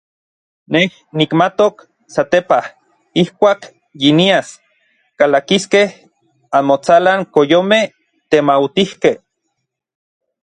Nej nikmatok satepaj ijkuak yinias kalakiskej anmotsalan koyomej temautijkej.